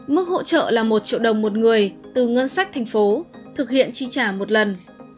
mức hỗ trợ là một triệu đồng một người từ ngân sách thành phố thực hiện chi trả một lần